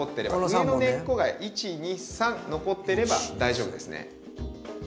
上の根っこが１２３残ってれば大丈夫ですね。